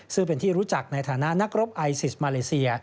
ซึ่งเป็นที่รู้จักในฐานะนักรบไอซิสมาเลเซีย